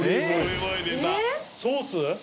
ソース？